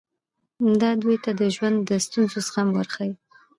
دا دوی ته د ژوند د ستونزو زغم ورښيي.